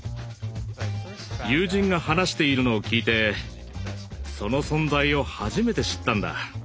友人が話しているのを聞いてその存在を初めて知ったんだ。